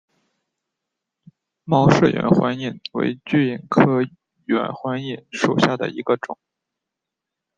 毛氏远环蚓为巨蚓科远环蚓属下的一个种。